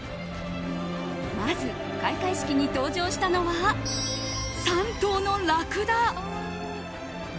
まず開会式に登場したのは３頭のラクダ。